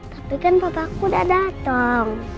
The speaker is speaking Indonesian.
tapi kan bapak aku udah datang